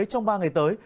trong ba ngày tới